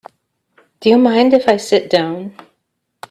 Do you mind if I sit down?